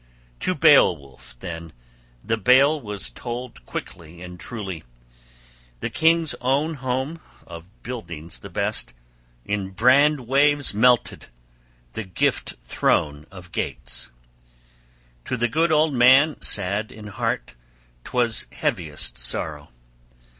To Beowulf then the bale was told quickly and truly: the king's own home, of buildings the best, in brand waves melted, that gift throne of Geats. To the good old man sad in heart, 'twas heaviest sorrow.